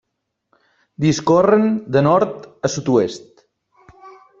Discorren de nord a sud-oest.